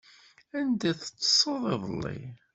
Anda teṭṭseḍ iḍelli?